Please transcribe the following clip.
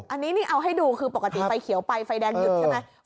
อันนี้นี่เอาให้ดูคือปกติไฟเขียวไปไฟแดงหยุดใช่ไหม